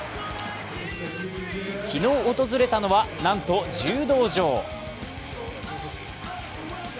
昨日訪れたのは、なんと柔道場。